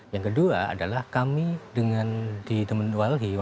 yang kedua adalah kami dengan di teman walhi